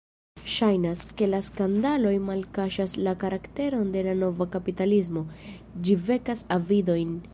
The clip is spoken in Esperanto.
Ŝajnas, ke la skandaloj malkaŝas la karakteron de la nova kapitalismo: ĝi vekas avidojn.